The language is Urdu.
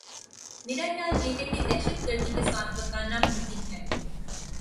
میرا خیال یہ ہے کہ دہشت گردی کے ساتھ بقا ناممکن ہے۔